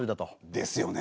ですよね。